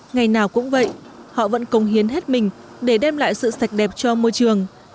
ngày nào cũng vậy họ vẫn công hiến hết mình để đem lại sự sạch đẹp cho môi trường